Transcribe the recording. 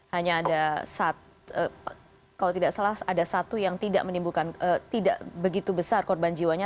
hanya ada satu yang tidak menimbulkan tidak begitu besar korban jiwanya